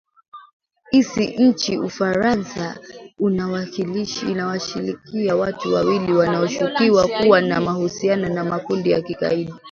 isi nchini ufarasa inawashikilia watu wawili wanaoshukiwa kuwa na mahusiano na makundi ya kigaidi